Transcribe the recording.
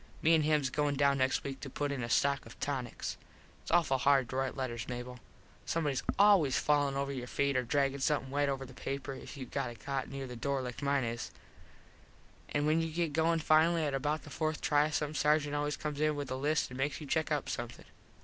Me an hims goin down next week to put in a stock of tonics. Its awful hard to rite letters, Mable. Somebodys always fallin over your feet or draggin something wet over the paper if youve got a cot near the door like mine is. An when you get goin finally at about the fourth try some sargent always comes in with a list and makes you check up something.